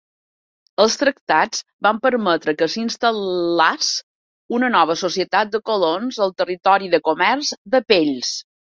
Els tractats van permetre que s'instal·lés una nova societat de colons al territori de comerç de pells.